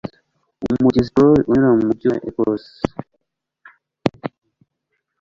Umugezi Clyde unyura mu mujyi wa Ecosse?